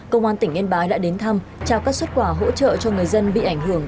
công an tỉnh yên bái đã đến thăm trao các xuất quả hỗ trợ cho người dân bị ảnh hưởng